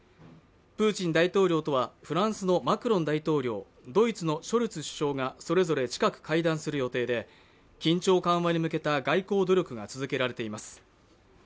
プーチン大統領とはフランスのマクロン大統領、ドイツのショルツ首相とがそれぞれ近く会談する予定で緊張緩和に向けた外交努力が続けられています。